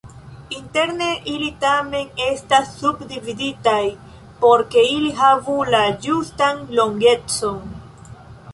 Interne ili tamen estas subdividitaj, por ke ili havu la ĝustan longecon.